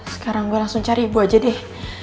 sekarang gue langsung cari ibu aja deh